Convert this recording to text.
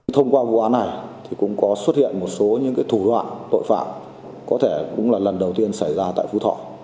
thông qua vụ án này thì cũng có xuất hiện một số những thủ đoạn tội phạm có thể cũng là lần đầu tiên xảy ra tại phú thọ